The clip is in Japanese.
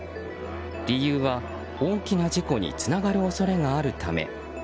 理由は大きな事故につながる恐れがあるため。